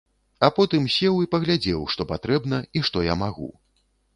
А потым сеў і паглядзеў, што патрэбна, і што я магу.